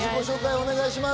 お願いします。